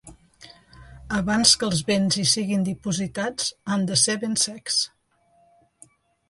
Abans que els béns hi siguin dipositats, han de ser ben secs.